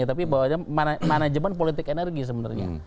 tapi manajemen politik energi sebenarnya